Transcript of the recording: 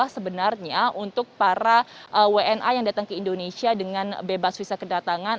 sebenarnya untuk para wna yang datang ke indonesia dengan bebas visa kedatangan